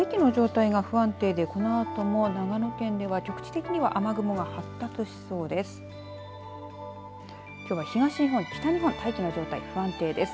大気の状態が不安定でこのあとも長野県では、局地的には雨雲が発達しそうです。